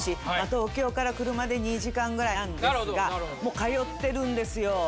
東京から車で２時間ぐらいなんですがもう通ってるんですよ。